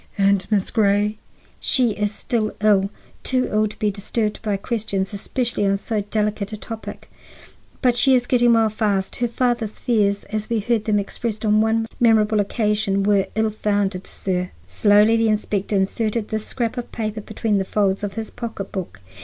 "And Miss Grey?" "She is still ill, too ill to be disturbed by questions, especially on so delicate a topic. But she is getting well fast. Her father's fears as we heard them expressed on one memorable occasion were ill founded, sir." Slowly the inspector inserted this scrap of paper between the folds of his pocketbook.